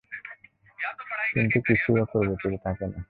কিন্তু কিছুই অপরিবর্তিত থাকে না।